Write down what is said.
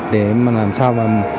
để làm sao